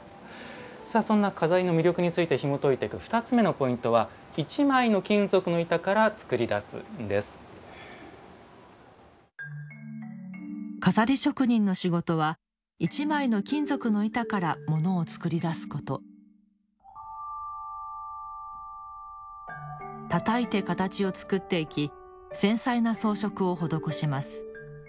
さあそんな錺の魅力についてひもといていく２つ目のポイントは錺職人の仕事は一枚の金属の板からものを作り出すことたたいて形を作っていき繊細な装飾を施します